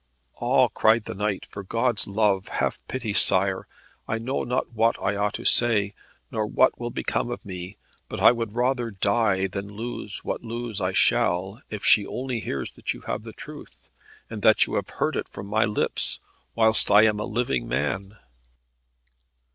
"Ah," cried the knight, "for God's love, have pity, Sire. I know not what I ought to say, nor what will become of me; but I would rather die than lose what lose I shall if she only hears that you have the truth, and that you heard it from my lips, whilst I am a living man."